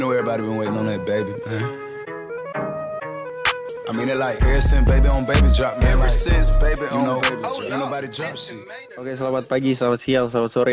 oke selamat pagi selamat siang selamat sore